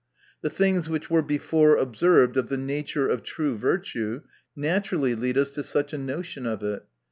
The things which were before observed of the nature of true virtue, naturally lead us to such a notion of it.